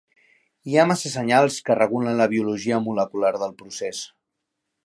Hi ha massa senyals que regulen la biologia molecular del procés.